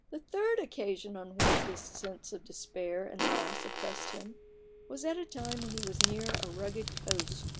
The third occasion on which this sense of despair and loss oppressed him, was at a time when he was near a rugged coast.